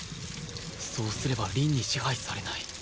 そうすれば凛に支配されない